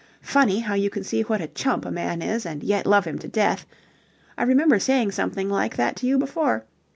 Funny how you can see what a chump a man is and yet love him to death... I remember saying something like that to you before...